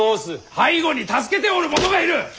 背後に助けておる者がいる！